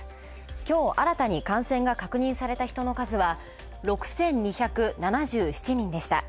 きょう新たに感染が確認された人の人数は６２７７人でした。